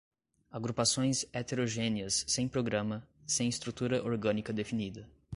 Agrupações heterogêneas sem programa, sem estrutura orgânica definida